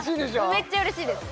めっちゃ嬉しいです